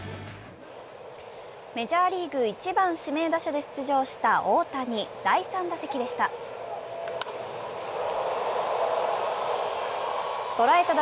メジャーリーグ、１番・指名打者で出場した大谷、第３打席でした。